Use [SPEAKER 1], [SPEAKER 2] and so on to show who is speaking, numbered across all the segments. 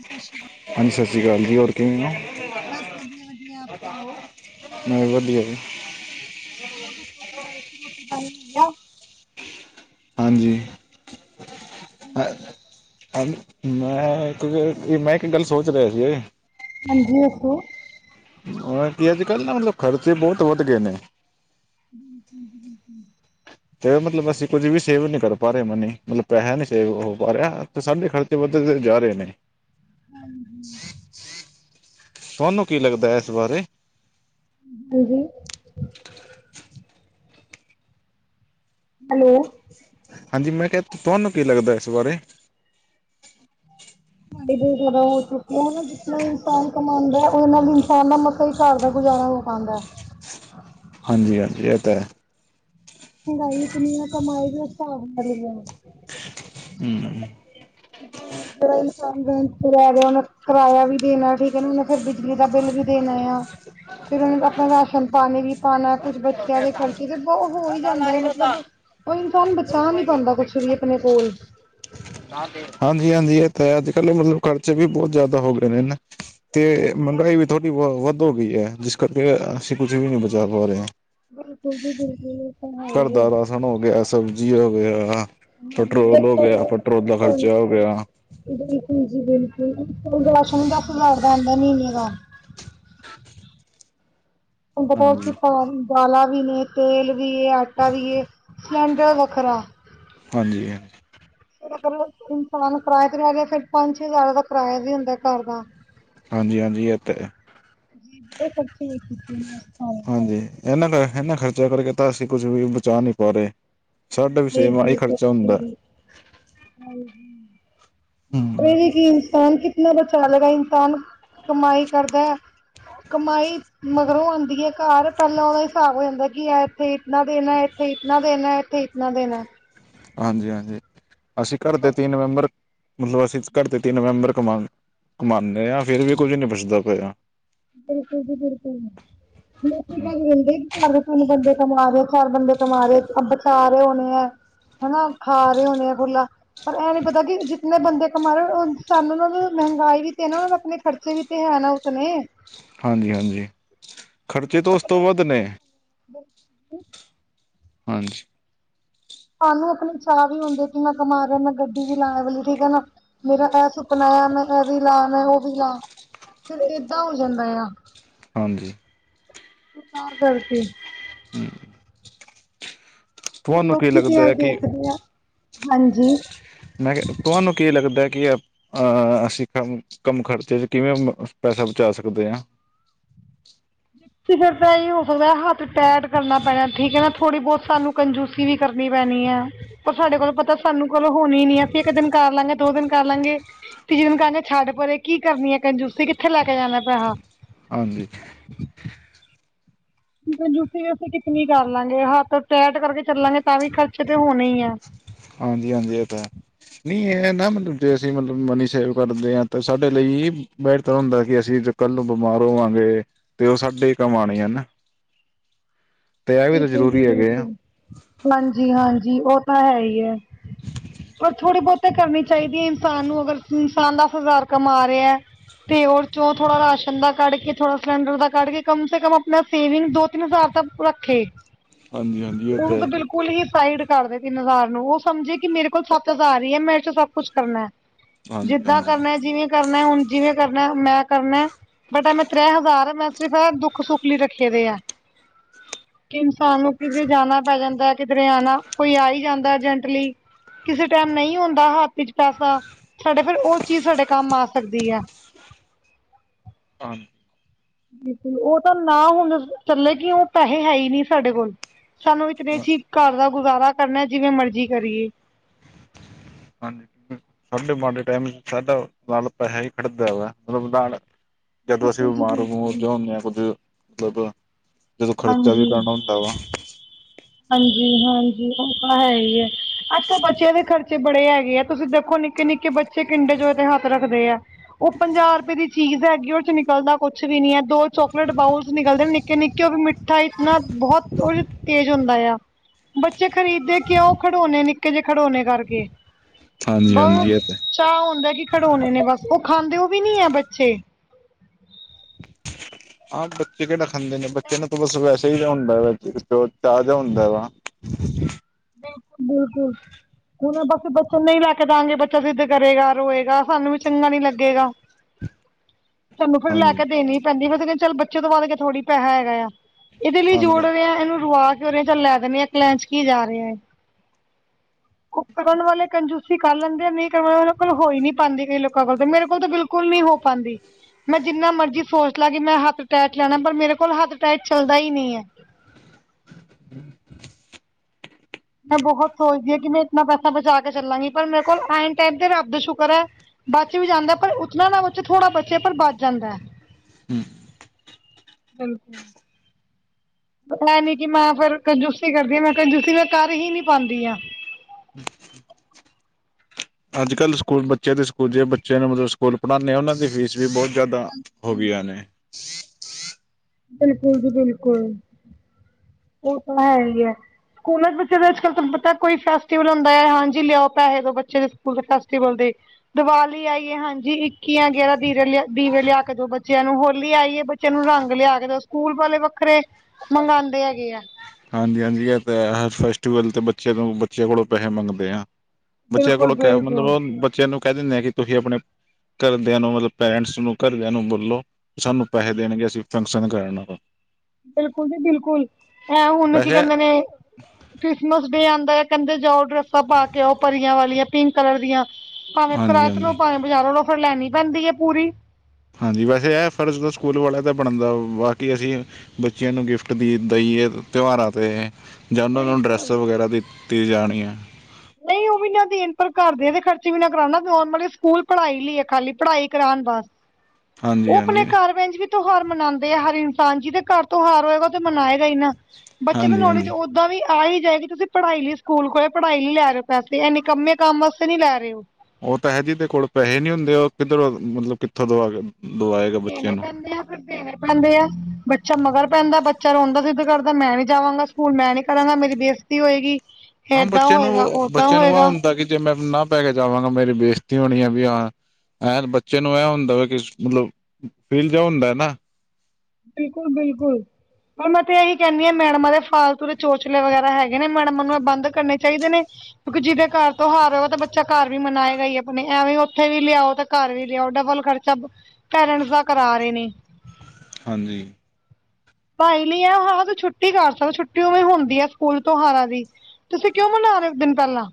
[SPEAKER 1] ਸਤਿ ਸ਼੍ਰੀ ਅਕਾਲ।
[SPEAKER 2] ਹਾਂ ਸਤਿ ਸ਼੍ਰੀ ਅਕਾਲ ਜੀ ਹੋਰ। ਕਿਵੇ ਹੋ
[SPEAKER 1] ਬਸ ਵਧੀਆ- ਵਧੀਆ ਆਪ ਸੁਣਾਓ
[SPEAKER 2] ਮੈਂ ਵਧੀਆ ਜੀ
[SPEAKER 1] ਉਹ ਦੱਸੋ ਕਿ ਗੱਲ ਰੋਟੀ ਪਾਣੀ ਹੋਗੀ
[SPEAKER 2] ਹਾਂਜੀ ਮੈਂ ਮੈਂ ਇੱਕ ਗੱਲ ਸੋਚ ਰਿਹਾ ਸੀ
[SPEAKER 1] ਹਾਂਜੀ ਦੱਸੋ
[SPEAKER 2] ਹ ਕੀ ਅੱਜ ਕੱਲ੍ਹ ਨਾ ਮਤਲਬ ਖਰਚੇ ਬਹੁਤ ਵੱਧ ਗਏ ਨੇ
[SPEAKER 1] [inaudible]
[SPEAKER 2] ਤੇ ਮਤਲਬ ਅਸੀਂ ਕੁੱਝ ਵੀ ਸੇਵ ਨੀ ਕਰ ਪਾ ਰਹੇ ਮਨੀ ਮਤਲਬ ਪੈਸਾ ਨੀ ਸੇਵ ਹੋ ਪਾ ਰਿਹਾ ਤੇ ਸਾਡੇ ਖਰਚੇ ਵੱਧਦੇ ਜਾ ਰਹੇ ਨੇ
[SPEAKER 1] ਹਾਂਜੀ
[SPEAKER 2] ਤੁਹਾਨੂੰ ਕੀ ਲੱਗਦਾ ਇਸ ਬਾਰੇ
[SPEAKER 1] ਹਾਂਜੀ ਹੈਲੋ
[SPEAKER 2] ਹਾਂਜੀ, ਮੈਂ ਕਿਹਾ ਤੁਹਾਨੂੰ ਕੀ ਲੱਗਦਾ ਇਸ ਬਾਰੇ
[SPEAKER 1] ਕਮ ਬਹੁਤ ਜ਼ਿਆਦਾ ਹੋ ਚੁੱਕੀ ਹੈ ਜਿਸਨਾ ਇਨਸਾਨ ਕਮਾਉਂਦਾ ਉਹਦੇ ਨਾਲ ਇਨਸਾਨ ਨਾਲ ਕਈ ਘਰ ਦਾ ਗੁਜ਼ਾਰਾ ਹੋ ਪਾਉਂਦਾ
[SPEAKER 2] ਹਾਂਜੀ- ਹਾਂਜੀ ਇਹ ਤਾਂ ਹੈ
[SPEAKER 1] ਮਹਿੰਗਾਈ ਕਿੰਨੀ ਅਹ ਕਮਾਈ ਦਾ ਧਿਆਨ
[SPEAKER 2] ਹਮ
[SPEAKER 1] ਜਿਹੜਾ ਇਨ ਲੈ ਗਿਆਓ ਕਿਰਾਇਆ ਵੀ ਦੇਣਾ ਠੀਕ ਹੈ ਨਾ, ਉਹਨੇ ਫਿਰ ਬਿਜਲੀ ਦਾ ਬਿੱਲ ਵੀ ਦੇਣਾ ਆ ਫਿਰ ਉਹਨਾ ਆਪਣਾ ਰਾਸ਼ਨ ਪਾਣੀ ਵੀ ਪਾਉਣਾ, ਕੁੱਛ ਬੱਚਿਆਂ ਦੇ ਖਰਚੇ ਤੇ ਬਹੁਤ ਹੋ ਹੀ ਜਾਂਦਾ ਹੈ ਮਤਲਬ ਉਹ ਇਨਸਾਨ ਬਚਾ ਨਹੀਂ ਪਾਉਂਦਾ ਕੁਛ ਵੀ ਆਪਣੇ ਕੋਲ
[SPEAKER 2] ਹਾਂਜੀ -ਹਾਂਜੀ ਇਥੇ ਅੱਜ ਕੱਲ ਮਤਲਬ ਖਰਚੇ ਵੀ ਬਹੁਤ ਜ਼ਿਆਦਾ ਹੋ ਗਏ ਨੇ ਹਨ
[SPEAKER 1] ਜੀ
[SPEAKER 2] ਤੇ
[SPEAKER 1] ਜੀ
[SPEAKER 2] ਮਹਿੰਗਾਈ ਵੀ ਥੋੜ੍ਹੀ ਬਹੁ ਵੱਧ ਹੋ ਗਈ ਹੈ ਜਿਸ ਕਰਕੇ ਅਸੀਂ ਕੁਝ ਵੀ ਨਹੀਂ ਬਚਾ ਪਾ ਰਹੇ ਹ
[SPEAKER 1] ਬਿਲਕੁਲ ਜੀ ਬਿਲਕੁਲ ਤਾਂ ਹੈ
[SPEAKER 2] ਘਰ
[SPEAKER 1] ਹੀ
[SPEAKER 2] ਦਾ ਰਾਸ਼ਨ ਹੋ ਗਿਆ, ਸਬਜ਼ੀ ਹੋ ਗਿਆ
[SPEAKER 1] ਹੈ
[SPEAKER 2] ਪੈਟਰੋਲ ਹੋ ਗਿਆ, ਪੈਟਰੋਲ ਦਾ
[SPEAKER 1] ਹਾਂਜੀ
[SPEAKER 2] ਖ਼ਰਚਾ ਹੋ ਗਿਆ
[SPEAKER 1] ਬਿਲਕੁਲ ਜੀ ਬਿਲਕੁਲ ਰਾਸ਼ਨ ਦਸ ਹਜਾਰ ਦਾ ਆਉਂਦਾ ਮਹੀਨੇ ਦਾ ਹੁਣ ਬਹੁਤ
[SPEAKER 2] ਹਾਂਜੀ
[SPEAKER 1] ਕੁਝ ਦਾਲਾਂ ਵੀ ਨੇ, ਤੇਲ ਵੀ ਏ, ਆਟਾ ਵੀ ਏ। ਸਿਲਿੰਡਰ ਵੱਖਰਾ
[SPEAKER 2] ਹਾਂਜੀ, ਹਾਂਜੀ,
[SPEAKER 1] ਫ ਅਗਰ ਇਨਸਾਨ ਕਿਰਾਇਆ ਤੇ ਹੈਗੇ, ਫਿਰ ਪੰਜ ਛੇ ਹਜ਼ਾਰ ਦਾ ਕਿਰਾਇਆ ਵੀ ਹੁੰਦਾ ਘਰ ਦਾ।
[SPEAKER 2] ਹਾਂਜੀ-ਹਾਂਜੀ ਇਹ ਤਾਂ ਹੈ।
[SPEAKER 1] ਪਰਚੇ ਚੁੱਕ ਮੈਂ,
[SPEAKER 2] ਹਾਂਜੀ, ਇਹਨਾਂ ਇਹਨਾਂ ਖਰਚਾ ਕਰਕੇ ਤਾਂ ਅਸੀਂ ਕੁਝ ਵੀ ਬਚਾ ਨਹੀਂ ਪਾ ਰਹੇ। ਸਾਡਾ ਵੀ ਸੇਮ ਆਹੀ ਖਰਚਾ ਹੁੰਦਾ।
[SPEAKER 1] ਹਾਂ ਇਹ
[SPEAKER 2] ਹਮ
[SPEAKER 1] ਵੀ ਕੀ ਇਨਸਾਨ ਕਿ, ਕਿੰਨਾ ਬਚਾ ਲਗਾ ਇਨਸਾਨ ਕਮਾਈ ਕਰਦਾ ਕਮਾਈ। ਮਗਰੋਂ ਆਦੀ ਹੈ, ਘਰ ਪਹਿਲਾਂ ਉਹਦਾ ਹਿਸਾਬ ਹੋ ਜਾਂਦਾ ਕਿ ਇੱਥੇ ਇਤਨਾ ਦਿਨ ਹੈ, ਇੱਥੇ ਇਤਨਾ ਦੇਨ ਹੈ। ਤੇ ਇਤਨਾ ਦੇਣਾ।
[SPEAKER 2] ਹਾਂਜੀ, ਹਾਂਜੀ ਅਸੀਂ ਘਰ ਦੇ ਤਿੰਨ ਮੈਂਬਰ ਮਤਲਬ ਅਸੀਂ ਘਰ ਤੇ ਤਿੰਨ ਮੈਂਬਰ ਕਮਾ ਕਮਾਉਂਦੇ ਹਾਂ, ਫੇਰ ਵੀ ਕੁੱਝ ਨੀ ਪੁੱਛਦਾ ਪਇਆ।
[SPEAKER 1] ਬਿਲਕੁਲ ਜੀ ਬਿਲਕੁਲ ਜੀ। ਲੋਕੀ ਕਹਿ ਦਿੰਦੇ ਘਰ ਦੇ ਤਿੰਨ ਬੰਦੇ ਕਮਾ ਔਰ ਚਾਰ ਬੰਦੇ ਕਮਾ ਬਚਾ ਰਹੇ ਹੋਣੇ। ਹਨਾ, ਖਾ ਰਹੇ ਹੋਣੇ ਆ ਖੁਲਾ। ਪਰ ਇਹ ਨੀ ਪਤਾ ਕਿ, ਜਿਨੇ ਬੰਦੇ ਕਮਾ ਸਾਨੂੰ ਉਹਨਾਂ ਨੂੰ ਮਹਿੰਗਾਈ ਵੀ ਤੇ ਨੇ ਉਹ ਨੂੰ ਆਪਣੇ ਖਰਚੇ। ਵੀ ਤੇ ਹੈ ਊਸ ਨੇ,
[SPEAKER 2] ਹਾਂਜੀ, ਹਾਂਜੀ ਖ਼ਰਚੇ ਤੋਂ ਉਸ ਤੋਂ ਵੱਧ ਨੇ।
[SPEAKER 1] ਤੇ,
[SPEAKER 2] ਹਾਂਜੀ,
[SPEAKER 1] ਸਾਨੂੰ ਆਪਣੇ ਚਾਹ ਵੀ ਹੁੰਦੇ, ਕਿ ਮੈਂ ਕਮਾ ਰਿਹਾ, ਮੈਂ ਗੱਡੀ ਵੀ ਲਾਵਾ ਵਾਲੀ ਠੀਕ ਹੈ ਨਾ। ਮੇਰਾ ਕ ਸੁਪਨਾ ਆ, ਮੈਂ ਆ ਵੀ ਲਾ ਮੈਂ ਉਹ ਵੀ ਲਾ। ਫਿਰ ਏਦਾਂ ਹੋ ਜਾਂਦਾ ਆ।
[SPEAKER 2] ਹਾਂਜੀ,
[SPEAKER 1] ਤੇ ਕਰਕੇ,
[SPEAKER 2] ਹਾਂ [unintelligible] ਕੀ
[SPEAKER 1] ਲੋਕੀ
[SPEAKER 2] ਲੱਗਦਾ
[SPEAKER 1] ਧਿਆ
[SPEAKER 2] ਹੈ ਕਿ
[SPEAKER 1] ਦੇਖਦੇ ਆ, ਹਾਂਜੀ।
[SPEAKER 2] 'ਮੈਂ ਕਿਹਾ ਤੁਹਾਨੂੰ ਕੀ ਲੱਗਦਾ ਕਿ ਅ? ਅਹ ਅਸੀਂ ਕੰਮ-ਕੰਮ ਖਰਚੇ ਚ, ਕਿਵੇਂ ਪੈਸਾ ਬਚਾ ਸਕਦੇ ਹਾਂ।
[SPEAKER 1] ਤੇ ਫਿਰ ਤਾਂ ਇਹ ਹੋ ਸਕਦਾ, ਹੱਥ ਟੈਟ ਕਰਨਾ ਪੈਣਾ, ਠੀਕ ਹੈ ਨਾ, ਥੋੜ੍ਹੀ ਬਹੁਤ ਸਾਨੂੰ ਕੰਜੂਸੀ ਵੀ ਕਰਨੀ ਪੈਣੀ ਐ। ਪਰ ਸਾਡੇ ਕੋਲੋਂ ਪਤਾ, ਸਾਨੂੰ ਕੋਲੋਂ ਹੋਣੀ ਨੀ, ਅਸੀਂ ਇੱਕ ਦਿਨ ਕਰ ਲਾਂਗੇ, ਦੋ ਦਿਨ ਕਰ ਲਾਂਗੇ। ਤੇ ਜਿਹਨੂੰ ਕਹਿੰਦੇ ਛੱਡ ਪਰੇ ਕੀ ਕਰਨੀ ਹੈ, ਕੰਜੂਸੀ ਕਿੱਥੇ ਲੈ ਕੇ ਜਾਣਾ ਪੈਸਾ।
[SPEAKER 2] ਹਾਜੀ,
[SPEAKER 1] ਕਜੂਸੀ ਵੀ ਅਸੀਂ ਕਿਤਨੀ ਵੀ ਕਰ ਲਾਂਗੇ, ਹੱਥ ਟੈਟ ਕਰਕੇ ਚੱਲਾਂਗੇ ਤਾਂ ਵੀ ਖਰਚੇ ਤੇ ਹੋਣੇ ਹੀ ਹੈ।
[SPEAKER 2] ਹਾਂਜੀ, ਹਾਂਜੀ ਇਹ ਤਾਂ ਨਹੀਂ ਇਹ ਨਾ ਮਤਲਬ ਜੇ ਮਤਲਬ ਮਨੀ ਸੇਵ ਕਰਦੇ ਹਾਂ, ਤੇ ਸਾਡੇ ਲਈ ਬਿਹਤਰ ਹੁੰਦਾ ਕਿ ਅਸੀਂ ਕੱਲ ਨੂੰ ਬਿਮਾਰ ਹੋਵਾਂਗੇ। ਤੇ ਉਹ ਸਾਡੇ ਕਮਾਉਣੇ ਆ ਨਾ,
[SPEAKER 1] ਬਿਲਕੁਲ ਜੀ
[SPEAKER 2] ਜ਼ਰੂਰੀ ਹੈਗੇ ਆ
[SPEAKER 1] ਬਿਲਕੁਲ, ਹਾਂਜੀ-ਹਾਂਜੀ ਉਹ ਤਾਂ ਹੈ ਹੀ ਹੈ, ਪਰ ਥੋੜੀ ਬਹੁਤੀ ਤੇ ਕਰਨੀ ਚਾਹੀਦੀ ਹੈ, ਇਨਸਾਨ ਨੂੰ ਅਗਰ ਇਨਸਾਨ ਦਸ ਹਜ਼ਾਰ ਕਮਾ ਰਿਹਾ। ਤੇ ਉਹ ਚੋਂ ਥੋੜਾ ਰਾਸ਼ਨ ਦਾ ਕੱਢ ਕੇ ਥੋੜਾ ਸਿਲੰਡਰ ਦਾ ਕੱਢ ਕੇ, ਕਮ ਸੇ ਕਮ ਆਪਣਾ ਸੇਵਿੰਗ ਦੋ, ਤਿੰਨ ਹਜ਼ਾਰ ਤਾਂ ਓਕੇ।
[SPEAKER 2] ਹਾਂਜੀ-ਹਾਂਜੀ, ਇਹ ਤੇ ਹੈ।
[SPEAKER 1] ਕੁਲ ਹੀ ਸਾਈਡ ਕਰਦੇ ਤਿੰਨ ਹਜ਼ਾਰ ਨੂੰ, ਉਹ ਸਮਝੇ ਕਿ ਮੇਰੇ ਕੋਲ ਸੱਤ ਹਜ਼ਾਰ ਹੀ ਹੈ, ਮੈਂ ਚ ਸਭ ਕੁੱਛ ਕਰਨਾ।
[SPEAKER 2] ਹਾਂਜੀ
[SPEAKER 1] ਜਿੱਦਾਂ
[SPEAKER 2] ਹਾਂਜੀ
[SPEAKER 1] ਕਰਨਾ, ਜਿਵੇਂ ਕਰਨਾ, ਹੁਣ ਜਿਵੇਂ ਕਰਨਾ ਮੈਂ। ਕਰਨਾ ਬਟ ਐ ਮੈਂ ਤ੍ਰੈ ਹਜ਼ਾਰ ਮੈਂ ਸਿਰਫ ਦੁੱਖ-ਸੁੱਖ ਲਈ ਰੱਖੇ ਦੇ ਆ। ਕਿ ਇਨਸਾਨ ਨੂੰ ਕਿਧੇ ਜਾਣਾ ਪੈ ਜਾਂਦਾ, ਕਿਧਰੇ ਆਣਾ ਕੋਈ ਆ ਹੀ ਜਾਂਦਾ, ਅਰਜੈਂਟਲੀ ਕਿਸੇ ਟਾਈਮ ਨਹੀਂ ਹੁੰਦਾ ਹੱਥ ਵਿੱਚ ਪੈਸਾ, ਸਾਡੇ ਫਿਰ ਉਹ ਚੀਜ਼ ਸਾਡੇ ਕੰਮ ਆ ਸਕਦੀ ਹੈ।
[SPEAKER 2] ਹਾਂ,
[SPEAKER 1] ਬਿਲਕੁਲ, ਉਹ ਤਾਂ ਨਾ ਹੁਣ ਚੱਲੇ, ਕਿ ਉਹ ਪੈਸੇ ਹੈ ਹੀ ਨਹੀ ਸਾਡੇ ਕੋਲ ਸਾਨੂੰ ਜੀ ਤੇ ਘਰ ਦਾ ਗੁਜ਼ਾਰਾ ਕਰਨਾ ਜਿਵੇਂ ਮਰਜੀ ਕਰੀਏ।
[SPEAKER 2] ਹਾਂਜੀ, ਸਾਡੇ ਮਾੜੇ ਟਾਈਮ ਚ ਸਾਡਾ ਨਾਲ ਪੈਸਾ ਹੀ ਖੜਦਾ ਵਾ, ਮਤਲਬ ਨਾਲ ਜਦੋਂ ਅਸੀਂ ਬਿਮਾਰ ਬਮੂਰ ਜਾ ਹੁੰਦੇ ਆ ਕੁੱਝ ਮਤਲਬ ਜਦੋਂ ਖਰਚਾ ਵੀ ਕਰਨਾ [unintelligible]
[SPEAKER 1] ਹਾਂਜੀ-ਹਾਂਜੀ, ਉਹ ਤਾਂ ਹੈਈ ਐ। ਅੱਜਕਲ ਬੱਚਿਆਂ ਦੇ ਖਰਚੇ ਬੜੇ ਹੈਗੇ ਆ। ਤੁਸੀਂ ਦੇਖੋ ਨਿੱੱਕੇ-ਨਿੱੱਕੇ ਬੱਚੇ ਕਿਡਾ ਜੋਏ ਤੇ ਹੱਥ ਰੱਖਦੇ ਆ। ਉਹ ਪੰਜਾਹ ਰੁਪਏ ਦੀ ਚੀਜ਼ ਹੈਗੀ। ਉਹ ਚ ਨਿਕਲਦਾ ਕੁਛ ਵੀ ਨੀ ਐ। ਦੋ ਚੋਕਲੇਟ ਬਾਊਲਸ ਨਿਕਲਦੇ, ਨਿੱੱਕੇ-ਨਿੱੱਕੇ ਉਹ ਵੀ ਮਿੱਠਾ ਇਤਨਾ ਬਹੁਤ ਉਹ ਤੇਜ਼ ਹੁੰਦਾ ਆ, ਬੱਚੇ ਖਰੀਦ ਦੇ ਕਿਉਂ ਉਹ ਖਿਡੋਣੇ ਨਿੱੱਕੇ ਜੇ ਖਿਡੋਣੇ ਕਰਕੇ।
[SPEAKER 2] ਹਾਂਜੀ
[SPEAKER 1] ਬਹੁ
[SPEAKER 2] ਹਾਂਜੀ ਇਹ ਤੇ
[SPEAKER 1] ਚਾਅ ਹੁੰਦਾ ਕਿ ਖਿਡੋਣੇ ਨੇ ਬੱਸ ਉਹ ਖਾਂਦੇ ਉਹ ਵੀ ਨੀ ਐ ਬੱਚੇ।
[SPEAKER 2] ਆਹ! ਬੱਚੇ ਕਿਹੜਾ ਖਾਂਦੇ ਨੇ ਬੱਚੇ ਨੂੰ ਤਾਂ ਬੱਸ ਵੈਸੇ ਹੀ ਹੁੰਦਾ ਵਾ ਚਾਅ ਜਾ ਹੁੰਦਾ ਵਾ।
[SPEAKER 1] ਬਿਲਕੁਲ-ਬਿਲਕੁਲ, ਹੁਣ ਬਾਕੀ ਬੱਚੇ ਨੂੰ ਨਹੀਂ ਲੈ ਕੇ ਦਾਂਗੇ, ਬੱਚਾ ਜਿੱਦ ਕਰੇਗਾ, ਰੋਏਗਾ ਸਾਨੂੰ ਵੀ ਚੰਗਾ ਨਹੀ ਲੱਗੇਗਾ।
[SPEAKER 2] [inaudible]
[SPEAKER 1] ਸਾਨੂੰ ਫਿਰ ਲੈ
[SPEAKER 2] ਹਾਂਜੀ
[SPEAKER 1] ਕੇ ਦੇਣੀ ਪੈਂਦੀ, [unintelligible] ਚੱਲ ਬੱਚੇ ਤੋਂ ਵੱਧ ਕੇ ਥੋੜੀ ਪੈਸਾ ਹੈਗਾ ਆ। ਇਹਦੇ ਲਈ
[SPEAKER 2] ਹਾਂਜੀ
[SPEAKER 1] ਜੋੜ ਰਿਹਾ। ਇਹਨੂੰ ਰੁਵਾ ਕਿਉਂ ਰਿਹਾ ਚੱਲ ਲੈ ਦਿੰਨੇ ਆ [unintelligible] [unintelligible] ਕੁੱਕਰਨ ਵਾਲੇ ਕੰਜੂ ਸੀ ਕਰ ਲੈਂਦੇ ਆ ਨਹੀਂ [unintelligible] ਮੇਰੇ ਕੋਲ ਹੋ ਹੀ ਨਹੀ ਪਾਂਦੀ। ਕਈ ਲੋਕਾਂ ਕੋਲ ਤੇ, ਮੇਰੇ ਕੋਲ ਤਾਂ ਬਿਲਕੁਲ ਨਹੀ ਹੋ ਪਾਂਦੀ। ਮੈਂ ਜਿੰਨਾ ਮਰਜ਼ੀ ਸੋਚ ਲਾਂ। ਕਿ ਮੈਂ ਹੱਥ ਟੈਟ ਲੈਣਾ, ਪਰ ਮੇਰੇ ਕੋਲ ਹੱਥ ਟੈਟ ਚੱਲਦਾ ਈ ਨੀ ਆ।
[SPEAKER 2] ਹੂੰ,
[SPEAKER 1] ਮੈਂ ਬਹੁਤ ਸੋਚਦੀ ਆ। ਕਿ ਮੈਂ ਇਤਨਾ ਪੈਸਾ ਬਚਾ ਕੇ ਚੱਲਾਂਗੀ, ਪਰ ਮੇਰੇ ਕੋਲ ਆਣ ਟਾਈਮ ਤੇ ਰੱਬ ਦਾ ਸ਼ੁਕਰ ਐ ਬਚ ਵੀ ਜਾਂਦਾ। ਪਰ ਉਤਨਾ ਨਾ ਬੱਚੇ ਥੋੜ੍ਹਾ ਬਚ ਜਾਂਦਾ, ਪਰ ਬਚ ਜਾਂਦਾ।
[SPEAKER 2] ਹੂੰ,
[SPEAKER 1] ਬਿਲਕੁਲ, ਇਹ ਨੀ ਕਿ ਮੈਂ ਫੇਰ ਕੰਜੂਸੀ ਕਰਦੀ ਆ, ਮੈਂ ਕੰਜੂਸੀ ਮੈਂ ਕਰ ਹੀ ਨੀ ਪਾਂਦੀ ਆ।
[SPEAKER 2] ਅੱਜ-ਕੱਲ੍ਹ ਸਕੂਲ ਬੱਚੇ ਦੇ ਸਕੂਲ ਜੇ ਬੱਚੇ ਨੂੰ ਮਤਲਬ ਸਕੂਲ ਪੜਾਨੇ ਆ ਉਹਨਾਂ ਦੀ ਫੀਸ ਵੀ ਬਹੁਤ ਜ਼ਿਆਦਾ ਹੋ ਗਈਆਂ ਨੇ।
[SPEAKER 1] ਬਿਲਕੁਲ ਜੀ ਬਿਲਕੁਲ, ਉਹ ਤਾਂ ਹੈ ਈ ਐ। ਸਕੂਲਾਂ ਦੇ ਬੱਚੇ ਦਾ ਅੱਜ-ਕੱਲ ਤਾਂ ਪਤਾ ਕੋਈ ਦੀਵਾਲੀ ਆਈ ਆ ਹਾਂਜੀ, ਇੱਕੀਆਂ-ਗਿਆਰਾਂ ਦੀਵੇ ਲਿਆ ਦੀਵੇ ਲਿਆ ਕੇ ਦਿਓ ਬੱਚਿਆਂ ਨੂੰ ਹੋਲੀ ਆਈਏ ਬੱਚ ਬੱਚੇ ਨੂੰ ਰੰਗ ਲਿਆ ਕੇ ਦਿਓ ਸਕੂਲ ਵਾਲੇ ਵੱਖਰੇ ਮੰਗਾਂਦੇ ਹੈਗੇ ਐ।
[SPEAKER 2] ਹਾਂਜੀ-ਹਾਂਜੀ, ਇਹ ਤੇ ਐ ਹਰ ਫੈਸਟੀਵਲ ਤੇ ਬੱਚੇ ਨੂੰ ਬੱਚਿਆਂ ਕੋਲੋਂ ਪੈਸੇ ਮੰਗਦੇ ਆ। ਬੱਚਿਆਂ
[SPEAKER 1] ਬਿਲਕੁਲ
[SPEAKER 2] ਕੋਲੋਂ ਕਹਿ
[SPEAKER 1] ਬਿਲਕੁਲ।
[SPEAKER 2] ਮਤਲਬ ਬੱਚਿਆਂ ਨੂੰ ਕਹਿ ਦੀਨੇ ਆ ਕਿ ਤੁਸੀਂ ਆਪਣੇ ਘਰਦਿਆਂ ਨੂੰ ਮਤਲਬ ਪੇਰੈਂਟਸ ਨੂੰ ਘਰਦਿਆਂ ਨੂੰ ਬੋਲੋ ਸਾਨੂੰ ਪੈਹੇ ਦੇਣਗੇ ਅਸੀਂ ਫੰਕਸ਼ਨ ਕਰਾਨਾ [unintelligible]
[SPEAKER 1] ਬਿਲਕੁਲ ਜੀ ਬਿਲਕੁਲ, ਐ ਹੁਣ ਕੀ
[SPEAKER 2] ਵੈਸੇ
[SPEAKER 1] ਕਹਿੰਦੇ ਨੇ ਕ੍ਰਿਸਮਸ ਡੇ ਆਂਦਾ ਆ ਕਹਿੰਦੇ ਜਾਓ ਡਰੈੱਸਾਂ ਪਾ ਕੇ ਆਓ ਪਰੀਆਂ ਵਾਲੀਆਂ ਪਿੰਕ ਕਲਰ ਦੀਆਂ। ਭਾਵੇਂ
[SPEAKER 2] ਹਾਂਜੀ
[SPEAKER 1] ਕਿਰਾਏ ਤੇ ਲਓ,
[SPEAKER 2] ਹਾਂਜੀ
[SPEAKER 1] ਭਾਵੇਂ ਬਾਜ਼ਾਰੋਂ ਲੋ ਫਿਰ ਲੈਣੀ ਪੈਂਦੀ ਐ ਪੂਰੀ।
[SPEAKER 2] ਹਾਂਜੀ, ਵੈਸੇ ਇਹ ਫ਼ਰਜ਼ ਤਾ ਸਕੂਲ ਵਾਲਿਆਂ ਦਾ ਬਣਦਾ ਬਾਕੀ ਅਸੀਂ ਬੱਚਿਆਂ ਨੂੰ ਗਿਫਟ ਦਈ ਦਈਏ ਤਿਉਹਾਰਾਂ ਤੇ। ਜਾਂ ਉਹਨਾਂ ਨੂੰ ਡਰੈੱਸ ਵਗੈਰਾ ਦਿੱਤੀ ਜਾਣੀ ਆ।
[SPEAKER 1] ਪਿੰਡਾ ਤੀ ਐਨਟਰ ਕਰਦੇ ਆ ਤੇ ਖਰਚੇ ਵੀ ਨਾ ਕਰਾਣ ਨਾ ਤਾ ਮਤਲ ਕੀ ਸਕੂਲ ਪੜ੍ਹਾਈ ਲਈ ਐ ਖਾਲੀ ਪੜ੍ਹਾਈ ਕਰਾਣ ਬਸ।
[SPEAKER 2] ਹਾਂਜੀ
[SPEAKER 1] ਉਹ
[SPEAKER 2] ਹਾਂਜੀ
[SPEAKER 1] ਆਪਣੇ ਘਰ ਵਿਜ ਵੀ ਤਿਉਹਾਰ ਮਨਾਦੇ ਆ ਹਰ ਇਨਸਾਨ ਜਿਹਦੇ ਘਰ ਤਿਉਹਾਰ ਹੋਏਗਾ ਓ ਤੇ ਮਨਾਏਗਾ ਈ ਨਾ ਬੱਚੇ ਨੂੰ
[SPEAKER 2] ਹਾਂਜੀ
[SPEAKER 1] ਨੋਲੇਜ
[SPEAKER 2] ਹਾਂਜੀ
[SPEAKER 1] ਓ ਦੀਵਾਲੀ ਆ ਈ ਜਾਏਗੀ ਤੁਸੀਂ ਪੜ੍ਹਾਈ ਲਈ ਸਕੂਲ ਖੋਲ੍ਹਿਆ ਪੜ੍ਹਾਈ ਲਈ ਲੈ ਪੈਸੇ ਇਹ ਨਿਕੰਮੇ ਕੰਮ ਵਾਸਤੇ ਨੀ ਲੈ ਰੇ ਓ।
[SPEAKER 2] ਉਹ ਤਾਂ ਹੈ ਜੀਹਦੇ ਕੋਲ ਪੈਸੇ ਨੀ ਹੁੰਦੇ ਉਹ ਕਿੱਧਰੋਂ ਮਤਲਬ ਕਿੱਥੋਂ ਦਵਾ ਕੇ
[SPEAKER 1] ਦੇਣੇ ਪੈਂਦੇ ਆ। ਫਿਰ ਦੇਣੇ ਪੈਂਦੇ ਆ ਬੱਚਾ ਮਗਰ ਪੈਂਦਾ ਬੱਚਾ ਰੋਂਦਾ ਜ਼ਿੱਦ ਕਰਦਾ ਮੈਂ ਨੀ ਜਾਵਾਂਗਾ ਹੁਣ ਮੈਂ ਨੀ ਕਰਾਂਗਾ ਮੇਰੀ ਬੇਸਤੀ ਹੋਏਗੀ।
[SPEAKER 2] ਹਾਂ,
[SPEAKER 1] ਏਦਾਂ
[SPEAKER 2] ਬੱਚੇ
[SPEAKER 1] ਹੋਏਗਾ
[SPEAKER 2] ਨੂੰ
[SPEAKER 1] ਓਦਾਂ
[SPEAKER 2] ਬੱਚੇ ਨੂੰ ਆਹ
[SPEAKER 1] ਹੋਏਗਾ
[SPEAKER 2] ਹੁੰਦਾ ਕਿ ਜੇ ਮੈਂ ਨਾ ਪਾ ਕੇ ਜਾਵਾਂਗਾ ਮੇਰੀ ਬੇਜ਼ਤੀ ਹੋਣੀ ਆ ਵੀ ਹਾਂ। ਐ ਬੱਚੇ ਨੂੰ ਇਹ ਹੁੰਦਾ ਵਾ ਕਿ, ਮਤਲਬ ਫੀਲ ਜਾ ਹੁੰਦਾ ਨਾ।
[SPEAKER 1] ਬਿਲਕੁਲ-ਬਿਲਕੁਲ। ਪਰ ਮੈਂ ਤੇ ਇਹੀ ਕਹਿੰਨੀ ਆ ਮੈਡਮਾਂ ਦੇ ਫਾਲਤੂ ਦੇ ਚੋਚਲੇ ਵਗੈਰਾ ਹੈਗੇ ਨੇ ਮੈਡਮਾਂ ਨੂੰ ਇਹ ਬੰਦ ਕਰਨੇ ਚਾਹੀਦੇ ਨੇ। ਕਿਉਂਕਿ ਜਿਹਦੇ ਘਰ ਤਿਉਹਾਰ ਹੋਵੇ ਉਹ ਤਾਂ ਬੱਚਾ ਘਰ ਵੀ ਮਨਾਏਗਾ ਹੀਏ ਆਪਣੇ ਐਵੇਂ ਉੱਥੇ ਵੀ ਲਿਆਓ ਤਾਂ ਘਰ ਵੀ ਲਿਆਓ, ਡਬਲ ਖਰਚਾ ਪੇਰੈਂਟਸ ਦਾ ਕਰਾ ਰੇ ਨੇ।
[SPEAKER 2] ਹਾਂਜੀ।
[SPEAKER 1] ਭਾਈ ਲੀ ਏ ਹਾਂ ਤੂੰ ਛੁੱਟੀ ਕਰ ਸਕ ਛੁੱਟੀ ਉਵੇਂ ਹੁੰਦੀ ਆ ਸਕੂਲ ਤਿਉਹਾਰਾਂ ਦੀ। ਤੁਸੀਂ ਕਿਉਂ ਮਨਾ ਰੇਓ ਇਕ ਦਿਨ ਪਹਿਲਾਂ?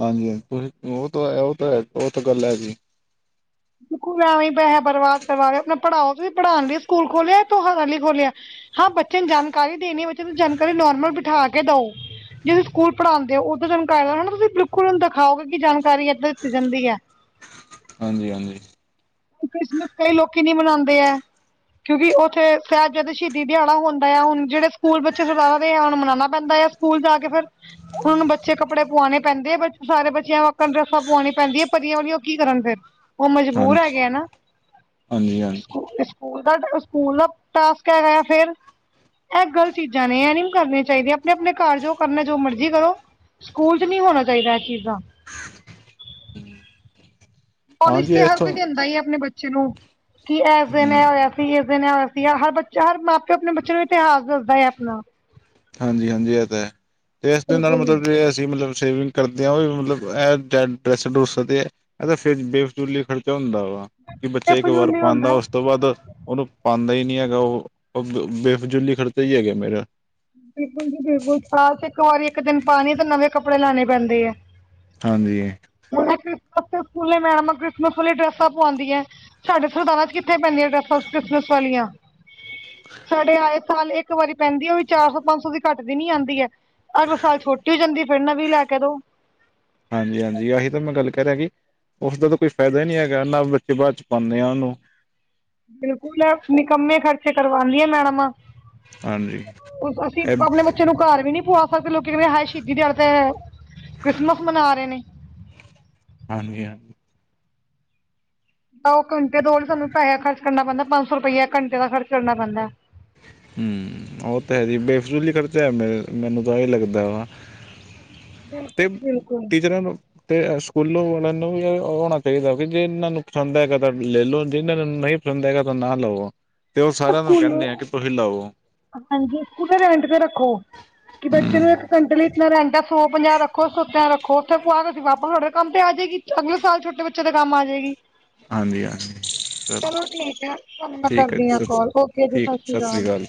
[SPEAKER 2] ਹਾਂਜੀ -ਹਾਂਜੀ ਤੁਸੀ ਉਹ ਤਾਂ ਉਹ ਤਾਂ ਉਹ ਤਾਂ ਗੱਲ ਹੈਗੀ
[SPEAKER 1] ਐਵੀ ਪੈਹਾ ਬਰਬਾਦ ਕਰਵਾ ਗੇ ਆਪਣਾ ਪੜ੍ਹਾਓ ਤੁਸੀਂ ਪੜ੍ਹਾਣ ਲਈ ਸਕੂਲ ਖੋਲ੍ਹਿਆ ਤੁਹਾਰਾ ਲਈ ਖੋਲਿਆ। ਹਾਂ ਬੱਚੇ ਨੂੰ ਜਾਣਕਾਰੀ ਦੇਣੀ ਐ ਬੱਚੇ ਨੂੰ ਜਾਣਕਾਰੀ ਨੋਰਮਲ ਬਿਠਾ ਕੇ ਦਓ। ਜਿਵੇ ਸਕੂਲ ਪੜ੍ਹਾਂਦੇ ਓ [unintelligible] ਤੁਸੀਂ ਬਿਲਕੁਲ ਦਿਖਾਓਗੇ ਕਿ ਜਾਣਕਾਰੀ ਏਦਾਂ ਦਿੱਤੀ ਜਾਂਦੀ ਐ।
[SPEAKER 2] ਹਾਂਜੀ-ਹਾਂਜੀ।
[SPEAKER 1] ਕ੍ਰਿਸਮਿਸ ਕਈ ਲੋਕੀ ਨੀ ਮਨਾਂਦੇ ਐ। ਕਿਉਂਕਿ ਉੱਥੇ ਸੇਅਬਜਾਦੇ ਸ਼ਹੀਦੀ ਦਿਹਾੜਾ ਹੁੰਦਾ ਆ ਹੁਣ ਜਿਹੜੇ ਸਕੂਲ ਬੱਚੇ ਸਰਦਾਰਾਂ ਦੇ ਆ ਹੁਣ ਮਨਾਣਾ ਪੈਂਦਾ ਆ। ਸਕੂਲ ਜਾ ਕੇ ਫੇਰ ਹੁਣ ਬੱਚੇ ਕੱਪੜੇ ਪੁਆਉਣੇ ਪੈਂਦੇ ਆ ਬ ਸਾਰੇ ਬੱਚਿਆਂ ਵਾ ਕਰਨ ਡਰੈੱਸਾਂ ਪੁਆਣੀ ਪੈਂਦੀਆਂ ਪਰੀਆਂ ਵਾਲੀਆਂ ਉਹ ਕੀ ਕਰਨ ਫੇਰ। ਉਹ ਮਜਬੂਰ
[SPEAKER 2] ਹਾਂਜੀ।
[SPEAKER 1] ਹੈਗੇ ਨਾ
[SPEAKER 2] ਹਾਂਜੀ ਹਾਂਜੀ।
[SPEAKER 1] ਸਕੂਲ ਦਾ, ਸਕੂਲ ਦਾ ਟਾਸਕ ਹੈਗਾ ਫਿਰ। ਇਹ ਗਲਤ ਚੀਜ਼ਾਂ ਨੇ। ਇਹ ਨੀ ਵੀ ਕਰਨੀਆਂ ਚਾਹੀਦੀਆਂ। ਆਪਣੇ ਆਪਣੇ ਘਰ ਜਾਉ ਕਰਨਾ ਏਂ, ਜੋ ਮਰਜ਼ੀ ਕਰੋ। ਸਕੂਲ ਚ ਨਹੀਂ ਹੋਣਾ ਚਾਹੀਦਾ ਇਹ ਚੀਜ਼ਾਂ।
[SPEAKER 2] ਹਠ [unintelligible] [unintelligible]
[SPEAKER 1] ਕਾਲਜ ਤੇ ਹਰ ਕੋਈ ਦਿੰਦਾ ਹੀਏ, ਆਪਣੇ ਬੱਚੇ ਨੂੰ। ਕਿ ਇਸ ਦਿਨ ਏ ਹੋਇਆ ਸੀ। ਇਸ ਦਿਨ ਏ ਹੋਇਆ ਸੀ। ਹਰ ਬੱਚਾ ਹਰ ਮਾਂ ਪਿਓ ਆਪਣੇ ਬੱਚਿਆਂ ਨੂੰ ਇਤਿਹਾਸ ਦੱਸਦਾ ਹੈ ਆਪਣਾ।
[SPEAKER 2] ਹਾਂਜੀ- ਹਾਂਜੀ ਇਹ ਤਾਂ ਹੈ, ਤੇ ਇਸਦੇ ਨਾਲ ਮਤਲਬ ਜ ਅਸੀਂ ਮਤਲਬ ਸ਼ੇਵਿੰਗ ਕਰਦੇ ਆ ਵੀ ਮਤਲਬ ਇਹ ਏ ਡਰੈਸ ਡਰਸਦੇ। ਇਹਦਾ ਫਿਰ ਬੇਫਸੂਲੀ ਲਈ ਖਰਚਾ ਹੁੰਦਾ ਵਾ ਕਿ ਬੱਚਾ
[SPEAKER 1] ਇਹ
[SPEAKER 2] ਇੱਕ ਵਾਰ
[SPEAKER 1] ਫਜ਼ੂਲ ਹੀ
[SPEAKER 2] ਪਾਉਂਦਾ
[SPEAKER 1] ਹੁੰਦਾ
[SPEAKER 2] ਇਕ ਤੋਂ ਵੱਧ ਉਹਨੂੰ ਪਾਂਦਾ ਹੀ ਨਹੀਂ ਹੈਗਾ। ਉਹ ਬੇਫਜਲੀ ਖਰਚੇ ਹੀ ਹੈਗੇ ਮੇਰਾ।
[SPEAKER 1] ਬਿਲਕੁਲ ਜੀ ਬਿਲਕੁਲ ਸਾਲ ਚ ਇੱਕ ਵਾਰੀ ਇੱਕ ਦਿਨ ਪਾਉਣੇ ਨਵੇਂ ਕੱਪੜੇ ਲੈਣੇ ਪੈਂਦੇ ਏ।
[SPEAKER 2] ਹਾਂਜੀੀੀ।
[SPEAKER 1] ਹੁਣ ਕ੍ਰਿਸਮਸ ਤੇ ਸਕੂਲੇ ਮੈਡਮਾ ਕ੍ਰਿਸਮਸ ਬਾਲੀਆਂ ਡਰੈਸਾ ਪਵਾਨਦੀਆਂ ਏ। ਸਾਡੇ ਸਰਦਾਰਾਂ 'ਚ ਕਿੱਥੇ ਪੈਂਦੀਆਂ ਡਰੈੱਸਾ ਕ੍ਰਿਸਮਸ ਵਾਲੀਆਂ। ਸਾਡੇ ਆਏ ਸਾਲ ਇੱਕ ਵਾਰੀ ਪੈਂਦੀ ਆ ਉਹ ਵੀ ਚਾਰ ਸੌ ਪੰਜ ਸੌ ਦੀ ਘੱਟ ਦੀ ਨੀ ਆਂਦੀ ਐ। ਅਗਲੇ ਸਾਲ ਛੋਟੀ ਹੋ ਜਾਂਦੀ ਫਿਰ ਨਵੀਂ ਲੈ ਕੇ ਦੋ।
[SPEAKER 2] ਹਾਂਜੀ-ਹਾਂਜੀ ਆਹੀ ਤਾਂ ਮੈਂ ਗੱਲ ਕਹਿ ਰਿਆ ਕਿ ਉਸਦਾ ਤਾਂ ਕੋਈ ਫਾਇਦਾ ਈ ਨੀ ਹੈਗਾ ਨਾ ਬੱਚੇ ਬਾਅਦ 'ਚ ਪਾਂਦੇ ਆ ਉਹਨੂੰ।
[SPEAKER 1] ਬਿਲਕੁਲ ਐ ਨਿਕੰਮੇ ਖਰਚੇ ਕਰਵਾਂਦੀਆਂ ਮੈਡਮਾਂ।
[SPEAKER 2] ਹਾਂਜੀ।
[SPEAKER 1] ਅਸੀ
[SPEAKER 2] ਹਾਂਜੀ
[SPEAKER 1] ਆਪਣੇ ਬੱਚੇ ਨੂੰ। ਘਰ ਵੀ ਨਹੀਂ ਪਵਾ ਸਕਦੇ। ਲੋਕੀ ਕਹਿੰਦੇ ਨੇ ਹਾਏ, ਸ਼ਹੀਦੀ ਦਿਹਾੜੇ ਤੇੇੇੇ ਕ੍ਰਿਸਮਸ ਮਨਾ ਰਹੇ ਨੇ।
[SPEAKER 2] ਹਾਂਜੀ, ਹਾਂਜੀ।
[SPEAKER 1] ਤਾਂ ਉਹ ਘੰਟੇ ਤੋਂ ਸਾਨੂੰ ਪੈਸਾ ਖਰਚ ਕਰਨਾ ਪੈਂਦਾ, ਪੰਜ ਸੌ ਰੁਪਇਆ ਘੰਟੇ ਦਾ ਖਰਚ ਕਰਨਾ ਪੈਂਦਾ
[SPEAKER 2] ਹੂੰ, ਉਹ ਤਾਂ ਹੈ ਜੀ ਬੇਫਸੂਲੀ ਖਰਚਾ ਮੇ ਮੈਨੂੰ ਤਾਂ ਇਹੀ ਲੱਗਦਾ ਹਾਂ। ਤੇ
[SPEAKER 1] ਬਿਲਕੁਲ ਜੀ ਬਿਲਕੁਲ
[SPEAKER 2] ਟੀਚਰਾਂ ਨੂੰ ਤੇ ਸਕੂਲਾਂ ਵਾਲਿਆਂ ਨੂੰ ਵੀ ਇਹ ਹੋਣਾ ਚਾਹੀਦਾ, ਵੀ ਜੇ ਇਹਨਾਂ ਨੂੰ ਪਸੰਦ ਹੈਗਾ ਤਾਂ ਲੈ ਲਓ ਜੇ ਇਹਨਾਂ ਨੂੰ ਨਹੀਂ ਦੇਗਾ ਤਾਂ ਨਾ ਲਵੋ। ਤੇ ਉਹ ਸਾਰਿਆਂ ਨੂੰ ਕਹਿੰਦੇ
[SPEAKER 1] ਸਕੂਲ
[SPEAKER 2] ਆ ਕਿ ਤੁਸੀਂ ਲਓ
[SPEAKER 1] ਹਾਂਜੀ, ਸਕੂਲ ਰੈਂਟ ਤੇ ਰੱਖੋ ਕਿ ਬੱਚੇ
[SPEAKER 2] ਹਮ
[SPEAKER 1] ਨੂੰ ਇਕ ਸਿਰਫ ਨਾ ਰੱਖੋ ਸੋ ਪੰਜਾਂ ਰੱਖੋ ਸੁੱਚਾ ਰੱਖੋ [unintelligible] [unintelligible] ਅਗਲੇ ਸਾਲ ਛੋਟੇ ਬੱਚੇ ਦੇ ਕੰਮ ਆ ਜਾਏਗੀ।
[SPEAKER 2] ਹਾਂਜੀ ਹਾਂਜੀ ਚਲ
[SPEAKER 1] ਚਲੋ ਠੀਕ ਹੈ, ਤੁਹਾਨੂੰ ਮੈਂ
[SPEAKER 2] ਠੀਕ ਹੈ
[SPEAKER 1] ਕਰਦੀ ਆ।
[SPEAKER 2] ਜੀ ਸ
[SPEAKER 1] ਓਕੇ ਜੀ, ਸਤਿ ਸ਼੍ਰੀ ਅਕਾਲ।